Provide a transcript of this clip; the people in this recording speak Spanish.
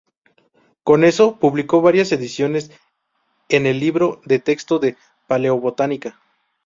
Con eso, publicó varias ediciones en el "Libro de texto de paleobotánica".